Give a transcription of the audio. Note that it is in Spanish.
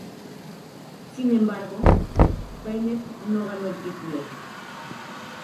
Sin embargo, Bennett no ganó el título.